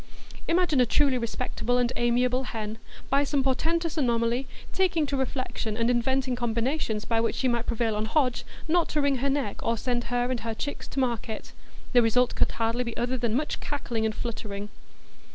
Imagine a truly respectable and amiable hen, by some portentous anomaly, taking to reflection and inventing combinations by which she might prevail on Hodge not to wring her neck, or send her and her chicks to market; the result could hardly be other than much cackling and fluttering.